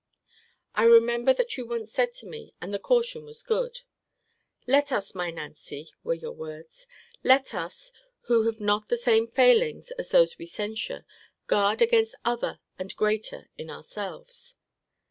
I remember what you once said to me; and the caution was good: Let us, my Nancy, were your words; let us, who have not the same failings as those we censure, guard against other and greater in ourselves.